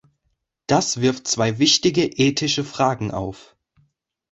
Das wirft zwei wichtige ethische Fragen auf.